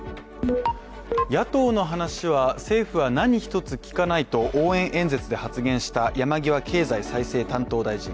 野党の話は政府は何一つ聞かないと応援演説で発言した山際経済再生大臣。